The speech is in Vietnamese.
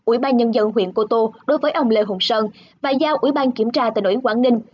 ủy ban nhân dân huyện cô tô đối với ông lê hùng sơn và giao ủy ban kiểm tra tỉnh ủy quảng ninh